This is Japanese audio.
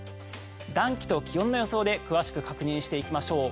暖気と気温の予想で詳しく確認していきましょう。